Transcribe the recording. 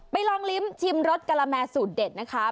ลองลิ้มชิมรสกะละแมสูตรเด็ดนะคะ